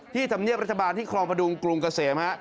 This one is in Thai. ธรรมเนียบรัฐบาลที่คลองประดุงกรุงเกษมฮะ